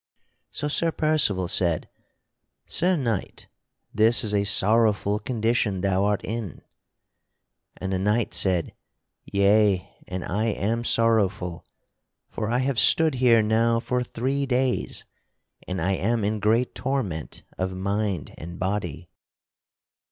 So Sir Percival said: "Sir Knight, this is a sorrowful condition thou art in." And the knight said: "Yea, and I am sorrowful; for I have stood here now for three days and I am in great torment of mind and body."